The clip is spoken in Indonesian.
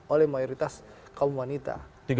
oleh mayoritas kaum wanita